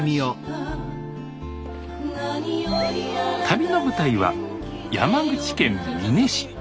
旅の舞台は山口県美祢市。